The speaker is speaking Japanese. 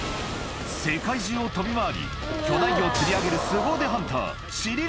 世界中を飛び回り巨大魚を釣り上げるすご腕